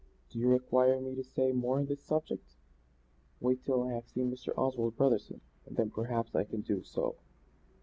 Do you require me to say more on this subject? Wait till I have seen Mr. Oswald Brotherson and then perhaps I can do so."